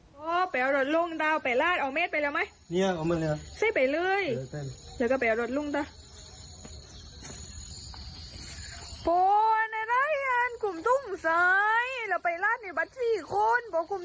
พ่อไปเอารถลุงเอาไปลาดเอาเมฆไปแล้วไหมเนี่ยเอาเมฆเลยครับ